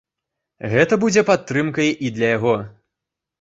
Гэта будзе падтрымкай і для яго.